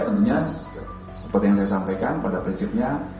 tentunya seperti yang saya sampaikan pada prinsipnya